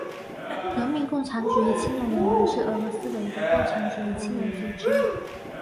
革命共产主义青年联盟是俄罗斯的一个共产主义青年组织。